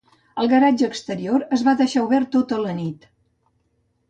El garatge exterior es va deixar obert tota la nit.